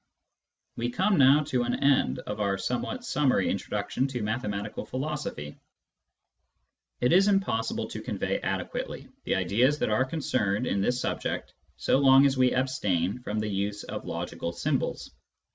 We have now come to an end of our somewhat summary intro duction to mathematical philosophy. It is impossible to convey adequately the ideas that are concerned in this subject so long as we abstain from the use of logical symbols.